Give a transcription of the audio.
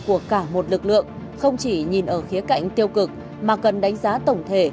của cả một lực lượng không chỉ nhìn ở khía cạnh tiêu cực mà cần đánh giá tổng thể